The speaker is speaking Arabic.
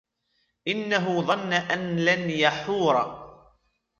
إنه ظن أن لن يحور